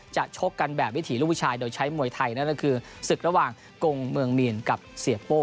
ชกกันแบบวิถีลูกผู้ชายโดยใช้มวยไทยนั่นก็คือศึกระหว่างกงเมืองมีนกับเสียโป้